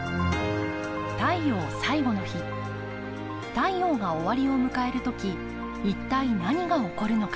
太陽が終わりを迎える時一体何が起こるのか。